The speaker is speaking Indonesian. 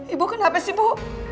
ibu kenapa sih bu